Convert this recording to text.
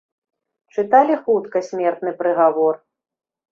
Чыталі хутка смертны прыгавор.